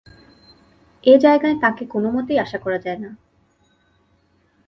এ-জায়গায় তাঁকে কোনোমতেই আশা করা যায় না।